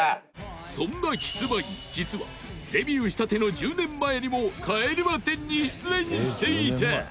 そんなキスマイ実は、デビューしたての１０年前にも『帰れま１０』に出演していた！